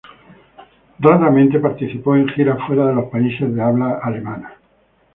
Raramente participó en giras fuera de los países de habla alemana.